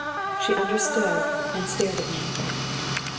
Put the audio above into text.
She understood and stared at me.